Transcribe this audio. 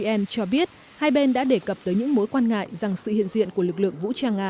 ngoại trưởng đức zygma gabriel cho biết hai bên đã đề cập tới những mối quan ngại rằng sự hiện diện của lực lượng vũ trang nga